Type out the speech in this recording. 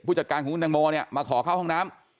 จัดการของคุณแตงโมเนี่ยมาขอเข้าห้องน้ำ